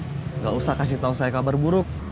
tidak usah kasih tahu saya kabar buruk